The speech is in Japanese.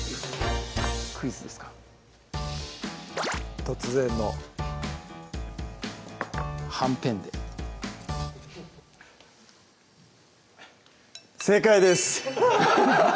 クイズですか突然のはんぺんで正解です！